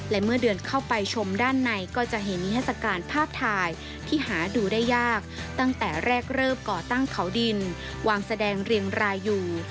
และเมื่อเดินเข้าไปชมด้านในก็จะเห็นนิทัศกาลภาพถ่ายที่หาดูได้ยากตั้งแต่แรกเริ่มก่อตั้งเขาดินวางแสดงเรียงรายอยู่